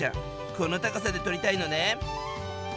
この高さで撮りたいのね。